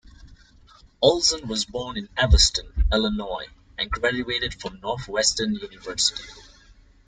Olson was born in Evanston, Illinois, and graduated from Northwestern University.